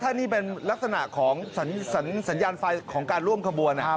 ถ้านี่เป็นลักษณะของสัญญาณไฟของการร่วมขบวน